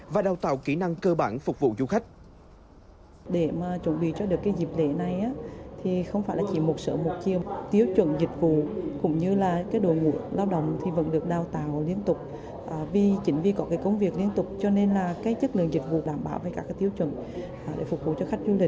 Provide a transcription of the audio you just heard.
và đào tạo kỹ năng cơ bản phục vụ du khách